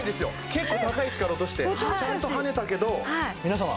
結構高い位置から落としてちゃんと跳ねたけど皆様！